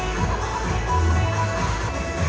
ขอบคุณครับ